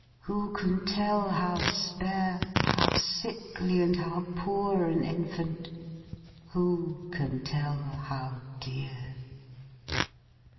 Who can tell how spare, how sickly, and how poor an infant! Who can tell how dear!